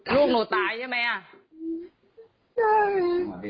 ลูกหนูตายใช่มั้ย